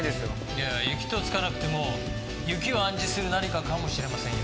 いや「雪」と付かなくても雪を暗示する何かかもしれませんよ。